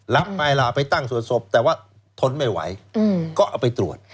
รับไปล่ะไปตั้งสวดศพแต่ว่าทนไม่ไหวก็เอาไปตรวจ